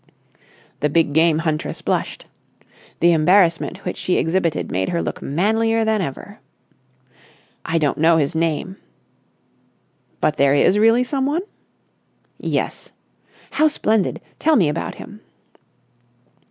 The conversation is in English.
The big game huntress blushed. The embarrassment which she exhibited made her look manlier than ever. "I don't know his name." "But there is really someone?" "Yes." "How splendid! Tell me about him."